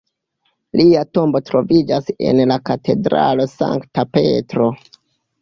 Lia tombo troviĝas en la katedralo Sankta Petro.